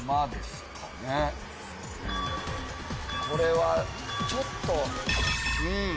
これはちょっと。